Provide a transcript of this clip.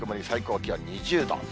最高気温２０度。